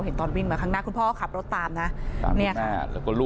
เธอต้องนั่งด้วย